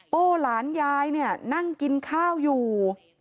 โป้หลานยายเนี่ยนั่งกินข้าวอยู่